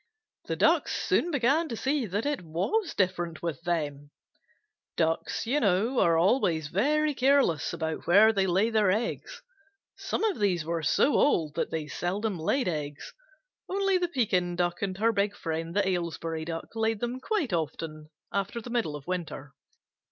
The Ducks soon began to see that it was different with them. Ducks, you know, are always very careless about where they lay their eggs. Some of these were so old that they seldom laid eggs, only the Pekin Duck and her big friend, the Aylesbury Duck, laid them quite often after the middle of winter.